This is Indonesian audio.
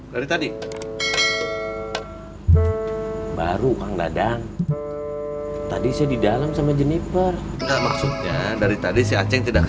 dari tadi baru kang dadang tadi saya di dalam sama jeniper maksudnya dari tadi si aceh tidak